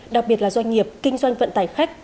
đặc biệt là doanh nghiệp kinh doanh vận tải khách